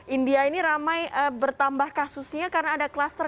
india ini ramai bertambah kasusnya karena ada kluster